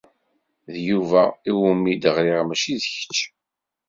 D Yuba iwumi d-ɣriɣ, mačči d kečč.